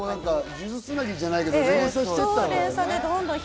数珠つなぎじゃないけど、連鎖したんだね。